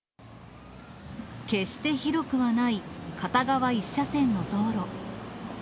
決して広くはない片側１車線の道路。